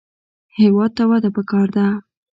هېواد ته وده پکار ده